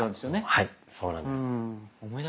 はいそうなんです。